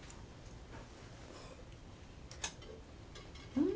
うん。